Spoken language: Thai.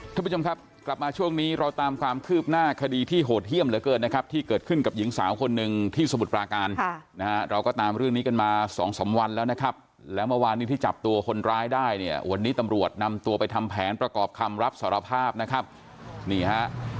ท่านผู้ชมครับกลับมาช่วงนี้เราตามความคืบหน้าคดีที่โหดเยี่ยมเหลือเกินนะครับที่เกิดขึ้นกับหญิงสาวคนหนึ่งที่สมุทรปราการค่ะนะฮะเราก็ตามเรื่องนี้กันมาสองสามวันแล้วนะครับแล้วเมื่อวานนี้ที่จับตัวคนร้ายได้เนี่ยวันนี้ตำรวจนำตัวไปทำแผนประกอบคำรับสารภาพนะครับนี่ฮะ